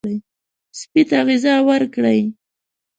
سپي ته غذا ورکړئ.